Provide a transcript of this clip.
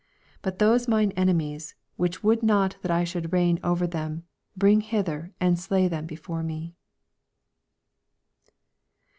27 But those mine enemies, which would not that I should reign over them, bring hither, and slay them before me.